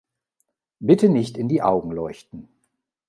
Bitte nicht in die Augen leuchten.